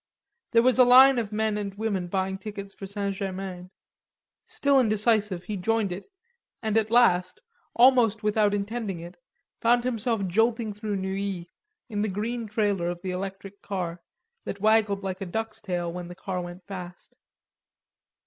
There was a line of men and women buying tickets for St. Germain; still indecisive, he joined it, and at last, almost without intending it, found himself jolting through Neuilly in the green trailer of the electric car, that waggled like a duck's tail when the car went fast.